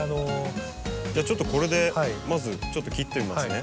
じゃあちょっとこれでまずちょっと切ってみますね。